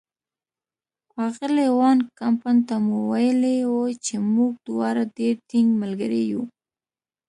اغلې وان کمپن ته مو ویلي وو چې موږ دواړه ډېر ټینګ ملګري یو.